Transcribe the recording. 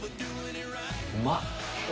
うまっ。